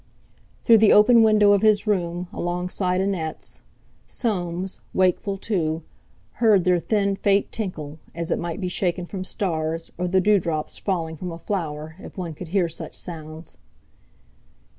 Through the open window of his room, alongside Annette's, Soames, wakeful too, heard their thin faint tinkle, as it might be shaken from stars, or the dewdrops falling from a flower, if one could hear such sounds.